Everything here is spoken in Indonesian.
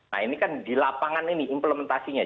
nah ini kan di lapangan ini implementasinya